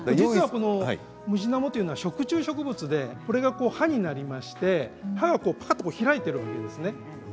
ムジナモというのは食虫植物でこれが歯になりましてぱっと開いているわけですね。